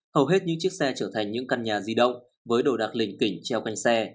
hầu hết những chiếc xe trở thành những căn nhà di động với đồ đạc lên kỉnh treo canh xe